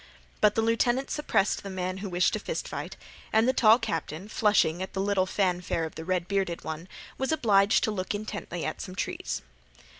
But the lieutenant suppressed the man who wished to fist fight, and the tall captain, flushing at the little fanfare of the red bearded one, was obliged to look intently at some trees.